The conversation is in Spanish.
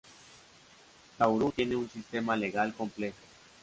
Nauru tiene un sistema legal complejo.